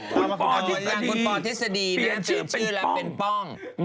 คุณพอทฤษฎีเปลี่ยนชื่อแล้วเป็นป้อง